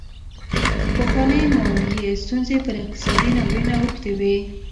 پخوانۍ مالي ستونزې پر اقتصادي ناورین اوښتې وې.